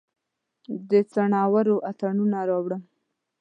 د څنورو اتڼوڼه راوړم